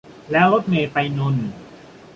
แล้วรถเมล์ไปนนท์